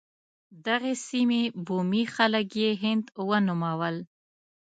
دغې سیمې بومي خلک یې هند ونومول.